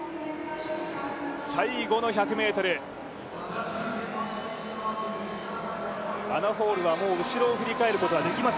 最後の１００ｍ、アナ・ホールはもう後ろを振り返ることができま